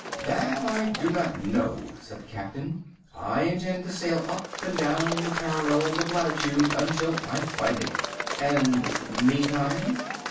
"That I do not know," said the Captain. "I intend to sail up and down the parallels of latitude until I find it." "And meantime?"